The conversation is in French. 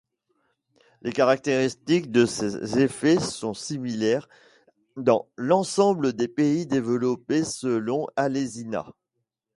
Les caractéristiques de ces effets sont similaires dans l'ensemble des pays développés selon Alesina.